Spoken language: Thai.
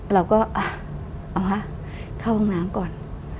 เราก็เอาฮะเข้าห้องน้ำก่อน